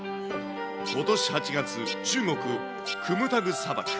ことし８月、中国・クムタグ砂漠。